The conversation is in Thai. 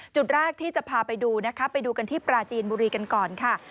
จุดแรกที่จะพาไปดูนะคะไปดูกันที่ปราจีนบุรีกันก่อนค่ะ